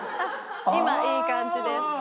今いい感じです。